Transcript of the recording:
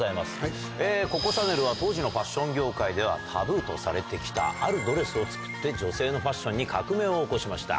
ココ・シャネルは当時のファッション業界ではタブーとされて来たあるドレスを作って女性のファッションに革命を起こしました。